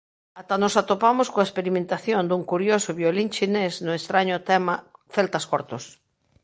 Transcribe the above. Ata nos atopamos coa experimentación dun curioso violín chinés no estraño tema "Celtas cortos".